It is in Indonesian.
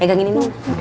udah nanti nggak